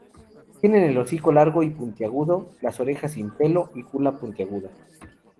Tienen el hocico largo y puntiagudo, las orejas sin pelo y la cola peluda.